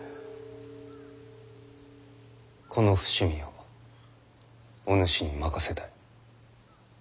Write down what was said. この伏見をお主に任せたい。